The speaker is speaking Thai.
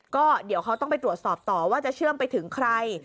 ก็เดี๋ยวเขาต้องไปตรวจสอบต่อว่าจะเชื่อมไปถึงใคร